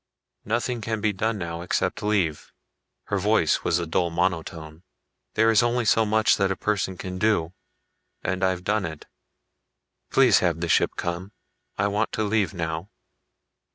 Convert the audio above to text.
"Nothing can be done now except leave." Her voice was a dull monotone. "There is only so much that a person can do, and I've done it. Please have the ship come; I want to leave now."